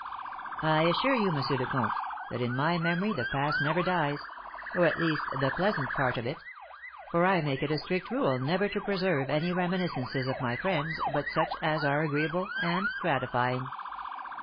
"I assure you, M. le Comte, that in my memory the past never dies; or, at least, the pleasant part of it; for I make it a strict rule never to preserve any reminiscences of my friends but such as are agreeable and gratifying."